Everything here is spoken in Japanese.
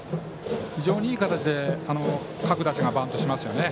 非常にいい形で各打者がバントしますよね。